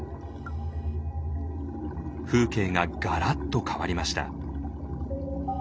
風景がガラッと変わりました。